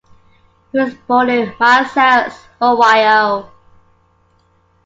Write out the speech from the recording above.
He was born in Marseilles, Ohio.